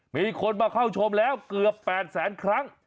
มีคนมาเข้าชมแล้วเกือบ๘แสนครั้ง